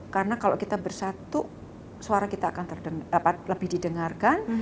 karena kalau kita bersatu suara kita akan lebih didengarkan